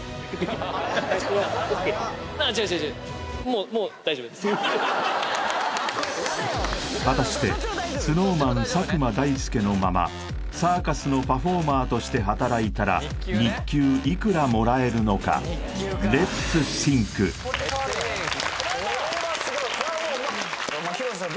違う違う違う果たしてＳｎｏｗＭａｎ佐久間大介のままサーカスのパフォーマーとして働いたら日給いくらもらえるのかこれはすごいこれはもう広瀬さん